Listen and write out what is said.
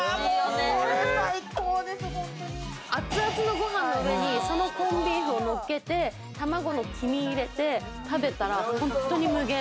熱々のご飯の上にそのコンビーフをのっけて、卵の黄身を入れて食べたら本当に無限。